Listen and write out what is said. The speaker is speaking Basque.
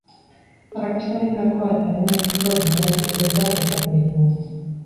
Arrakastaren gakoa eta lehendabiziko denboraldiko kontuak aipatu ditugu.